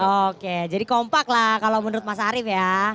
oke jadi kompak lah kalau menurut mas arief ya